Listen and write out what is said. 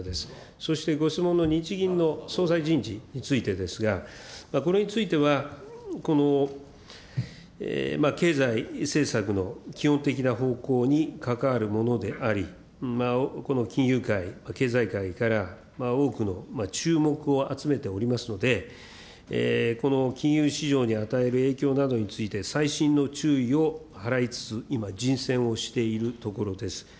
そしてご質問の日銀の総裁人事についてですが、これについては、経済政策の基本的な方向に関わるものであり、金融界、経済界から多くの注目を集めておりますので、この金融市場に与える影響などについて、細心の注意を払いつつ、今、人選をしているところです。